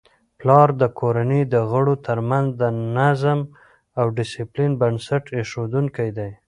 پلار د کورنی د غړو ترمنځ د نظم او ډیسپلین بنسټ ایښودونکی دی.